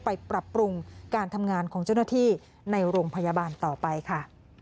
ปรับปรุงการทำงานของเจ้าหน้าที่ในโรงพยาบาลต่อไปค่ะ